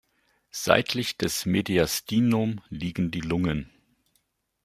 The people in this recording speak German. Seitlich des Mediastinum liegen die Lungen.